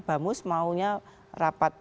bamus maunya rapat